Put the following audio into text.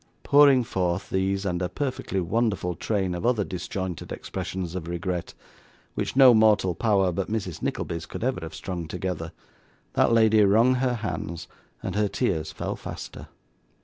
Pouring forth these and a perfectly wonderful train of other disjointed expressions of regret, which no mortal power but Mrs. Nickleby's could ever have strung together, that lady wrung her hands, and her tears fell faster.